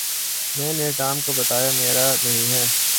میں نے ٹام کو بتایا میرا چلنے کا موڈ نہیں ہے